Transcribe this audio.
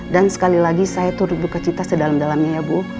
dan sekali lagi saya turut berukacita sedalam dalamnya ya bu